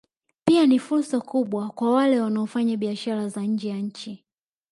Pia ni fursa kubwa kwa wale wanaofanya biashara za nje ya nchi